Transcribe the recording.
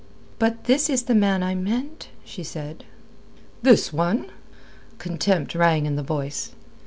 "But this is the man I meant," she said. "This one?" Contempt rang in the voice.